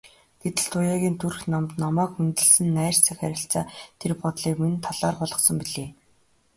Гэтэл Туяагийн төрх намба, намайг хүндэлсэн найрсаг харьцаа тэр бодлыг минь талаар болгосон билээ.